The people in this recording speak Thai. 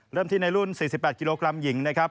เริ่มที่ในรุ่น๔๘กิโลกรัมหญิงนะครับ